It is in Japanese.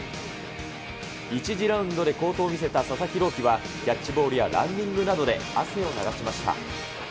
１次ラウンドで好投を見せた佐々木朗希は、キャッチボールやランニングなどで汗を流しました。